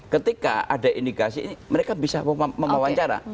ketika ada indikasi ini mereka bisa mewawancara